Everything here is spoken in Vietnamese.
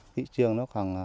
thị trường nó khoảng bảy